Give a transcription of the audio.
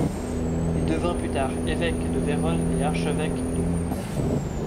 Il devint plus tard évêque de Vérone et archevêque de Milan.